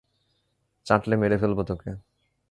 চাটলে মেরে ফেলব তোকে!